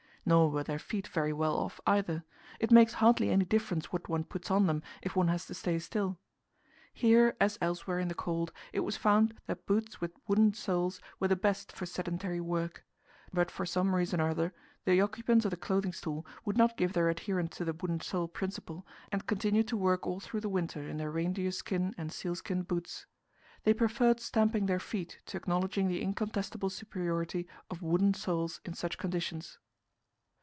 Nor were their feet very well off either; it makes hardly any difference what one puts on them if one has to stay still. Here, as elsewhere in the cold, it was found that boots with wooden soles were the best for sedentary work; but for some reason or other the occupants of the Clothing Store would not give their adherence to the wooden sole principle, and continued to work all through the winter in their reindeer skin and sealskin boots. They preferred stamping their feet to acknowledging the incontestable superiority of wooden soles in such conditions.